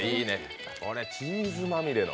チーズまみれの。